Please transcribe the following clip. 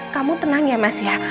kamu tenang ya mas ya